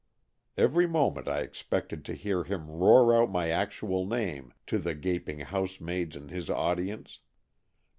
Every moment I expected to hear him roar out my actual name to the gaping housemaids in his audience.